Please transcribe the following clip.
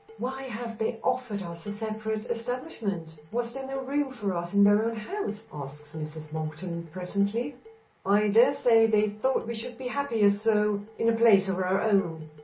"Why have they offered us a separate establishment? Was there no room for us in their own house?" asks Mrs. Monkton presently. "I dare say they thought we should be happier, so in a place of our own."